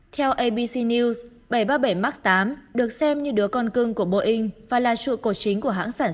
theo abc news bảy trăm ba mươi bảy max tám được xem như đứa con cưng của boeing và là trụ cột chính của hãng sản xuất